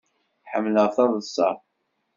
Ḥemmleɣ taḍṣa.